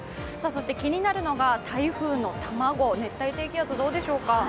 そして気になるのが台風の卵、熱帯低気圧、どうでしょうか？